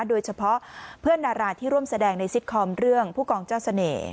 โดยเฉพาะเพื่อนดาราที่ร่วมแสดงในซิตคอมเรื่องผู้กองเจ้าเสน่ห์